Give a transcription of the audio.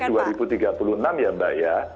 jadi dari rilis dua ribu tiga puluh enam ya mbak ya